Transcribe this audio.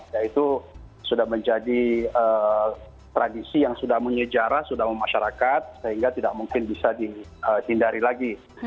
yaitu sudah menjadi tradisi yang sudah menyejarah sudah memasyarakat sehingga tidak mungkin bisa dihindari lagi